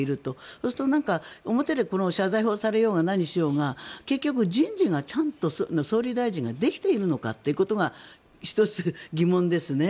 そうすると表で謝罪をされようが何しようが結局、人事が、総理大臣ができているのかということが１つ、疑問ですね。